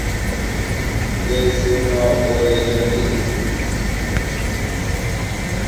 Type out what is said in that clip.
Vɛsɛ mba dɔlɛ já ndelo.